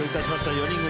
４人組。